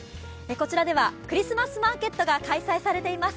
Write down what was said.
こちらではクリスマスマーケットが開催されています。